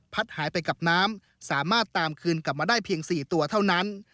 หายไปกับน้ำสามารถตามคืนกลับมาได้เพียง๔ตัวเท่านั้น